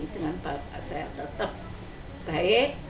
dengan bapak saya tetap baik